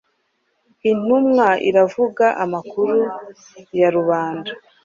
Intumwa iravuga amakuru yarubanda